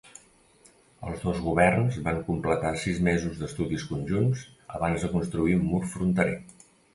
Els dos governs van completar sis mesos d'estudis conjunts abans de construir un mur fronterer.